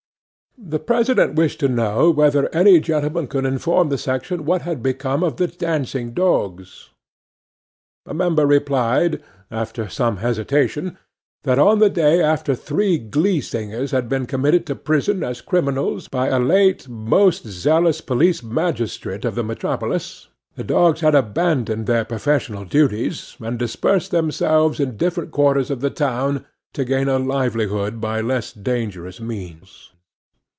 'THE PRESIDENT wished to know whether any gentleman could inform the section what had become of the dancing dogs? 'A MEMBER replied, after some hesitation, that on the day after three glee singers had been committed to prison as criminals by a late most zealous police magistrate of the metropolis, the dogs had abandoned their professional duties, and dispersed themselves in different quarters of the town to gain a livelihood by less dangerous means.